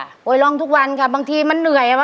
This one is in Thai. ร้องทุกวันค่ะบางทีมันเหนื่อย